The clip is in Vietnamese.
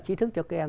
trí thức cho các em